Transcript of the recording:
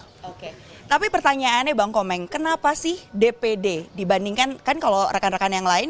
oke tapi pertanyaannya bang komeng kenapa sih dpd dibandingkan kan kalau rekan rekan yang lain